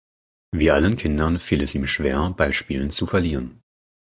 Wie allen Kindern fiel es ihm schwer, bei Spielen zu verlieren.